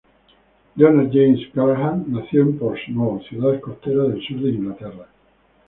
Leonard James Callaghan nació en Portsmouth, ciudad costera del sur de Inglaterra.